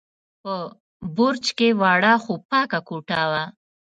په برج کې وړه، خو پاکه کوټه وه.